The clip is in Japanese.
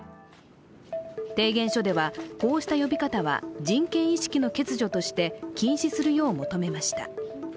提言書では、こうした呼び方は人権意識の欠如として禁止するよう求めました。